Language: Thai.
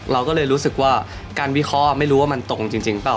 เราก็เลยรู้สึกว่าการวิเคราะห์ไม่รู้ว่ามันตรงจริงเปล่า